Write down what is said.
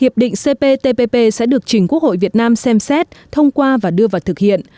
hiệp định cptpp sẽ được trình quốc hội việt nam xem xét thông qua và đưa vào thực hiện